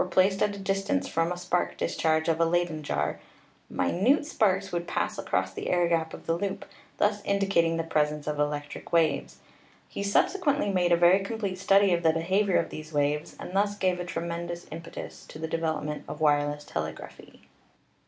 placed at a distance from a spark discharge of a Leyden jar, minute sparks would pass across the air gap of the loop, thus indicating the presence of electric waves. He subsequently made a very complete study of the behavior of these waves and thus gave a tremendous impetus to the development of wireless telegraphy.